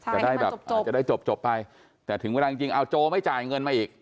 จะได้แบบจะได้จบไปแต่ถึงเวลาจริงเอาโจไม่จ่ายเงินมาอีก